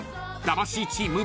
魂チーム。